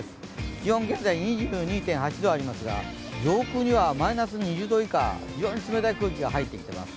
気温、現在２２．８度ありますが、上空にはマイナス２０度以下、非常に冷たい空気が入ってきています。